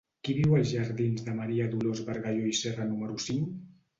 Qui viu als jardins de Maria Dolors Bargalló i Serra número cinc?